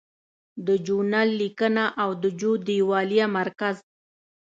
د جو نل لیکنه او د جو دیوالیه مرکز